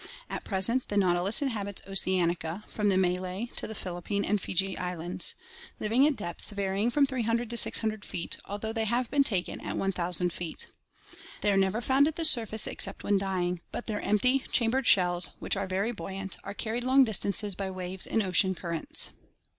At present the nautilus inhabits Oceanica from the Malay to the Phil ippine and Fiji islands, living at depths varying from 300 to 600 feet, although they have been taken at 1000 feet. They are never found at the surface except when dying, but their empty, chambered shells, which are very buoy ant, are carried long distances by waves and ocean currents.